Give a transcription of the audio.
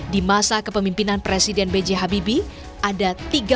di masa kepemimpinan presiden b j habibie ada tiga